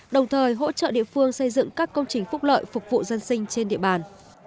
đồng thời hỗ trợ địa phương xây dựng các công trình phúc lợi phục vụ dân sinh trên địa bàn